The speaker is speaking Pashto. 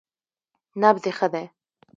_نبض يې ښه دی.